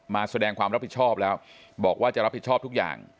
มาแสดงความรับผิดชอบแล้วบอกว่าจะรับผิดชอบทุกอย่าง